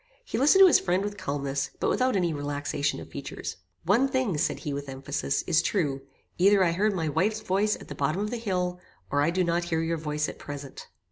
He listened to his friend with calmness, but without any relaxation of features. "One thing," said he with emphasis, "is true; either I heard my wife's voice at the bottom of the hill, or I do not hear your voice at present."